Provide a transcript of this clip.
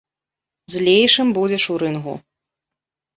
Злейшым будзеш у рынгу.